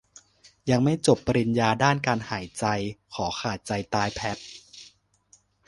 ยังไม่จบปริญญาด้านการหายใจ ขอขาดใจตายแพพ